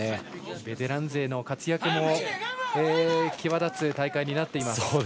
ベテラン勢の活躍も際立つ大会になっています。